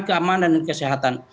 keamanan dan kesehatan